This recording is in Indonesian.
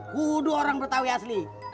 kudu orang bertawih asli